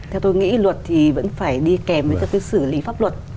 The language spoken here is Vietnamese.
theo tôi nghĩ luật thì vẫn phải đi kèm với các cái xử lý pháp luật